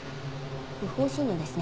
不法侵入ですね。